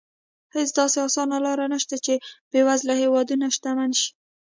هېڅ داسې اسانه لار نه شته چې بېوزله هېوادونه شتمن شي.